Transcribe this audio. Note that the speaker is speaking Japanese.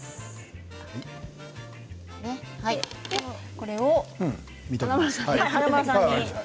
これを華丸さんに。